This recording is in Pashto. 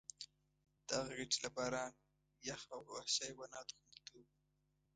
دغه ګټې له باران، یخ او وحشي حیواناتو خوندیتوب وو.